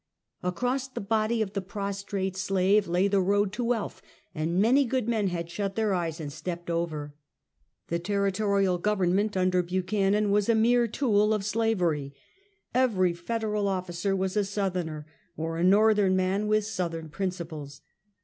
Across the body of the prostrate slave lay the road to wealth, and many good men had shut their eyes and stepped over. The territorial government under Buchanan was a mere tool of slavery. Every federal officer was a South erner, or a N^orthern man with Southern principles.